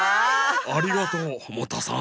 ありがとうモタさん。